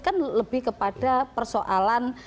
kan lebih kepada persoalan